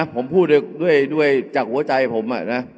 ผมพูดด้วยจากหัวใจผมนะ